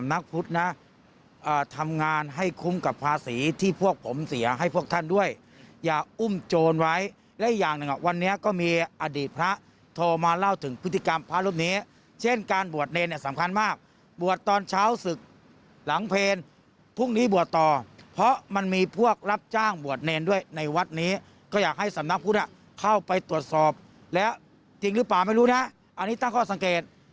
นักพุทธเข้าไปตรวจสอบแล้วจริงหรือเปล่าไม่รู้นะอันนี้ตั้งข้อสังเกต